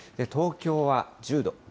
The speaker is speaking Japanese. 東京は１０度。